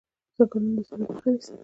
ځنګلونه د سیلاب مخه نیسي.